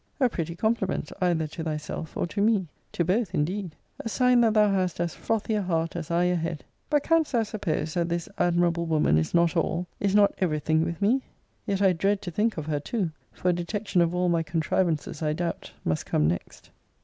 A pretty compliment, either to thyself, or to me. To both indeed! a sign that thou hast as frothy a heart as I a head. But canst thou suppose that this admirable woman is not all, is not every thing with me? Yet I dread to think of her too; for detection of all my contrivances, I doubt, must come next.